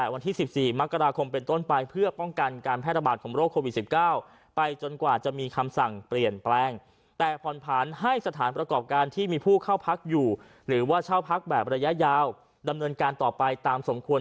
หรือว่าเข้าพักอยู่หรือว่าเช่าพักแบบระยะยาวดำเนินการต่อไปตามสมควร